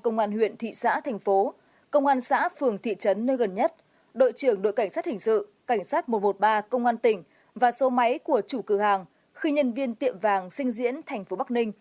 cảnh sát một trăm một mươi ba công an tỉnh và số máy của chủ cửa hàng khi nhân viên tiệm vàng sinh diễn thành phố bắc ninh